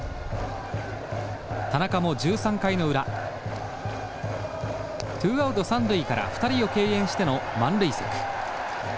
田中も１３回の裏ツーアウト三塁から２人を敬遠しての満塁策。